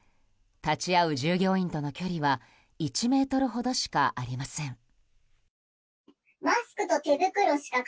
立ち会う従業員との距離は１ｍほどしかありません。